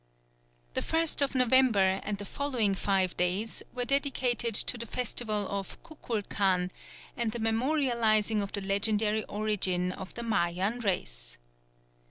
The 1st of November and the following five days were dedicated to the festival of Cuculcan and the memorialising of the legendary origin of the Mayan race.